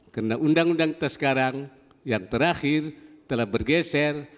karena undang undang kita sekarang yang terakhir telah bergeser